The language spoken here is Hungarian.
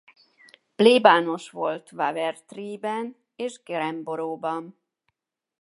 Plébános volt Wavertree-ben és Granborough-ban.